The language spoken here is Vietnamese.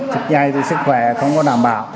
trực dây thì sức khỏe không có đảm bảo